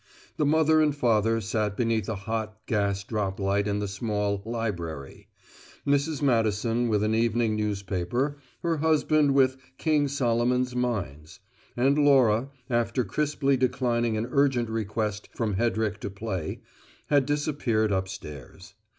The mother and father sat beneath a hot, gas droplight in the small "library"; Mrs. Madison with an evening newspaper, her husband with "King Solomon's Mines"; and Laura, after crisply declining an urgent request from Hedrick to play, had disappeared upstairs.